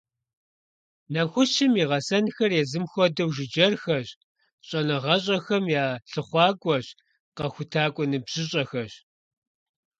Нэхущым и гъэсэнхэр езым хуэдэу жыджэрхэщ, щӀэныгъэщӀэхэм я лъыхъуакӀуэщ, къэхутакӀуэ ныбжьыщӀэхэщ.